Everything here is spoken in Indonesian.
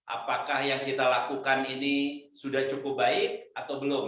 apakah yang kita lakukan ini sudah cukup baik atau belum